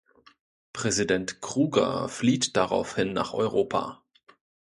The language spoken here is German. Präsident Kruger flieht daraufhin nach Europa.